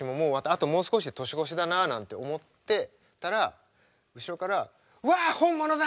あともう少しで年越しだな」なんて思ってたら後ろから「うわ！本物だ！」